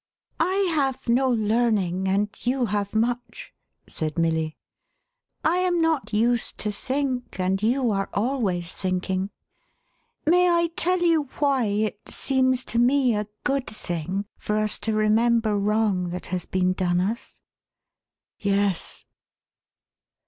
" I have no learning, and you have much," said Milly ;" I am not used to think, and you are always thinking. May 1 tell you why it seems to me a good thing for us to remember wrong that has been done us?" "Yes."